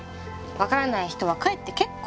分からない人は帰って結構！